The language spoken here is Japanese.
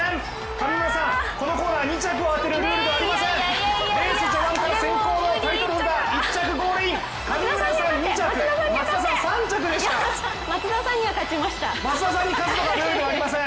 上村さん、このコーナー、２着を当てるルールではありません！